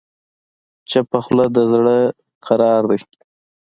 چپه خوله، د زړه قرار دی.